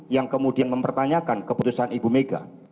yang kemudian mempertanyakan keputusan ibu mega